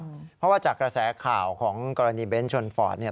เพราะว่าจากกระแสข่าวของกรณีเบ้นชนฟอร์ด